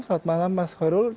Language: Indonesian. selamat malam mas khairul